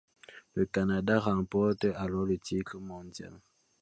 Le Canada remporte alors le titre mondial.